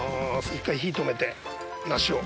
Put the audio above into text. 一回火止めて梨を。